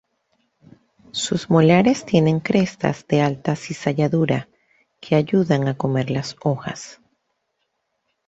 Sus molares tienen crestas de alta cizalladura, que ayudan a comer las hojas.